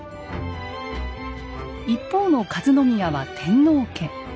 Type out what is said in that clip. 一方の和宮は天皇家。